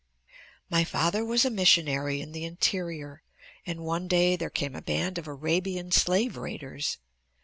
"My father was a missionary in the interior and one day there came a band of Arabian slave raiders.